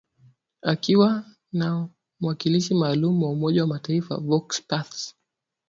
akiwa na mwakilishi maalum wa umoja wa mataifa Volker Perthes